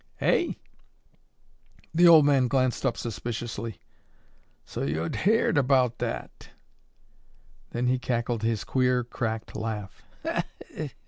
"Hey?" The old man glanced up suspiciously. "So yo'd heerd tell about that." Then he cackled his queer, cracked laugh.